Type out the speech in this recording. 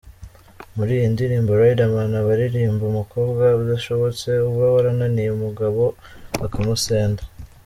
Muri iyi ndirimbo Riderman aba aririmba umukobwa udashobotse uba warananiye umugabo akamusenda.